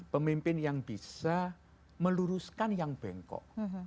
pemimpin yang bisa meluruskan yang bengkok